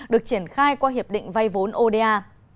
được triển khai qua hiệp định vay vốn oda